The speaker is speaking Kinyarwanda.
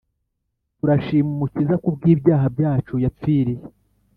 Turashima umukiza kubwi byaha byacu yapfiriye